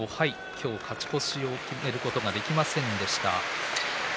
今日勝ち越しを決めることができませんでした。